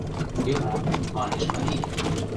— Йӧра, — манеш марий.